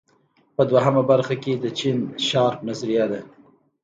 په دویمه برخه کې د جین شارپ نظریه ده.